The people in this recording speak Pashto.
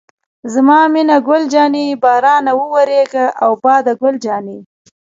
زما مینه ګل جانې، بارانه وورېږه او باده ګل جانې.